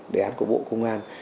đề án của bộ công an